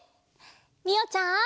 みおちゃん。